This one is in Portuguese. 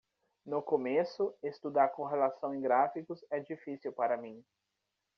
No começo, estudar correlação em gráficos é difícil para mim.